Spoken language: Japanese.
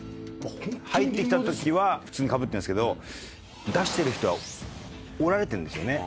入ってきたときは普通にかぶってるんですけど出してる人は折られてるんですよ